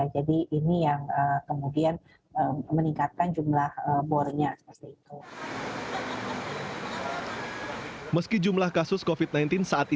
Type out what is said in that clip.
jadi ini yang kemudian meningkatkan jumlah bornya